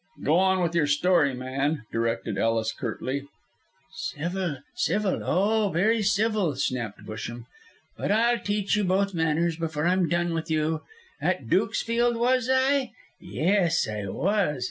"Go on with your story, man," directed Ellis, curtly. "Civil, civil, oh, very civil," snapped Busham, "but I'll teach you both manners before I'm done with you. At Dukesfield was I? Yes, I was.